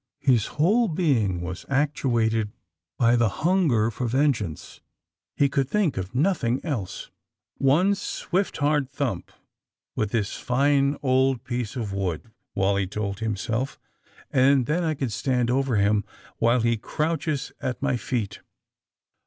His whole being was actuated by the hunger for vengeance. He could think of nothing else. *^One swift, hard thump with this fine old piece of wood," Wally told himself, ^^and then I can stand over him while he crouches at my feet.